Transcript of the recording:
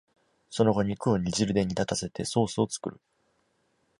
その後、肉を煮汁で煮立たせてソースを作る。